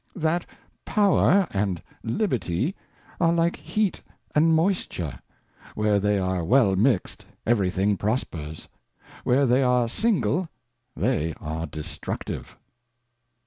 That Power and Liberty are like Heat and Moisture ; where they are well mixt, every thing prospers ; where they are jsingle, they are destructive.